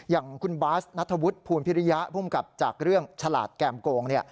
อย่างคุณบาสนัทวุฒิภูลพิริยะภูมิกับจากเรื่องฉลาดแก้มโกง